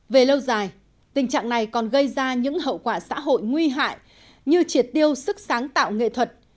về lâu dài tình trạng này còn gây ra những hậu quả xã hội nguy hại như triệt tiêu sức sáng tạo nghệ thuật